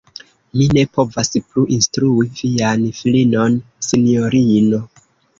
Mi ne povas plu instrui vian filinon, sinjorino.